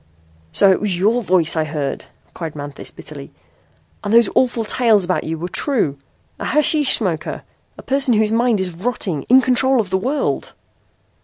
"So it was your voice I heard!" cried Manthis bitterly. "And those awful tales about you were true. A hashish smoker! A person whose mind is rotting, in control of the world!"